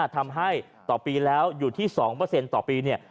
ทำให้ต่อปีแล้วอยู่ที่๒ต่อปี